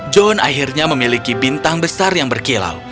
john akhirnya memiliki bintang besar yang berkilau